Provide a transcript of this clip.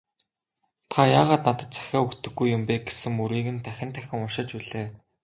"Та яагаад надад захиа өгдөггүй юм бэ» гэсэн мөрийг нь дахин дахин уншиж билээ.